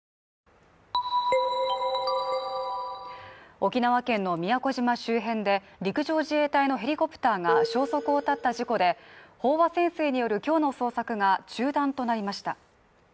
沖縄県の宮古島周辺で陸上自衛隊のヘリコプターが消息を絶った事故で飽和潜水による今日の捜索が中断となりました。